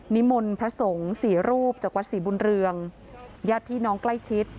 นิมนต์พระสงฆ์สี่รูปจากวัดศรีบุญเรืองญาติพี่น้องใกล้ชิด